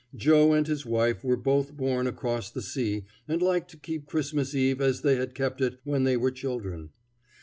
Joe and his wife were both born across the sea, and liked to keep Christmas eve as they had kept it when they were children.